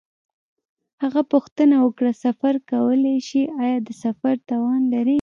هغه پوښتنه وکړه: سفر کولای شې؟ آیا د سفر توان لرې؟